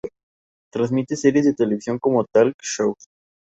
Las semejanzas son bastante extraordinarias con el de Avignon.